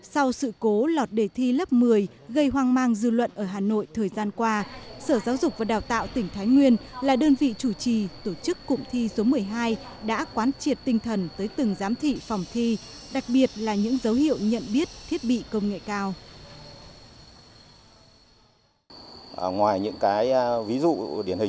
sau sự cố lọt đề thi lớp một mươi gây hoang mang dư luận ở hà nội thời gian qua sở giáo dục và đào tạo tỉnh thái nguyên là đơn vị chủ trì tổ chức cụm thi số một mươi hai đã quán triệt tinh thần tới từng giám thị phòng thi đặc biệt là những dấu hiệu nhận biết thiết bị công nghệ cao